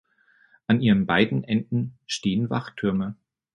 An ihren beiden Enden stehen Wachtürme.